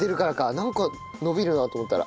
なんか伸びるなと思ったら。